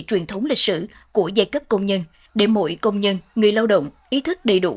truyền thống lịch sử của giai cấp công nhân để mỗi công nhân người lao động ý thức đầy đủ